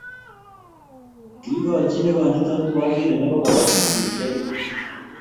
Kiikochi ne konyitot waziri nebo kabatisyet chekit